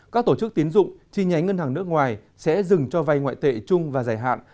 các tổ chức tiến dụng chi nhánh ngân hàng nước ngoài sẽ dừng cho vay ngoại tệ chung và giải hạn